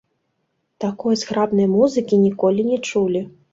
Такой зграбнай музыкі ніколі не чулі.